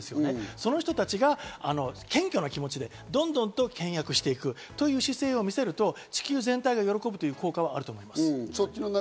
その人たちが謙虚な気持ちで、どんどん倹約していくという姿勢を見せると、地球全体が喜ぶという効果はあると思います。